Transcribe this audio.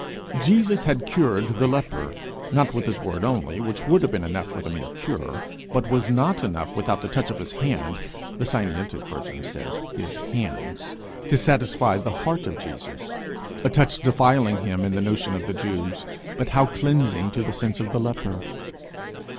Jesus had cured the leper not with his word only, which would have been enough for the mere cure, but was not enough without the touch of his hand the Sinaitic version says 'his hands' to satisfy the heart of Jesus a touch defiling him, in the notion of the Jews, but how cleansing to the sense of the leper!